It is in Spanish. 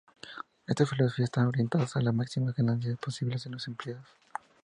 Esta filosofía están orientadas a las máximas ganancias posibles de los empleados.